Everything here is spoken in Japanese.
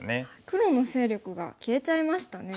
黒の勢力が消えちゃいましたね。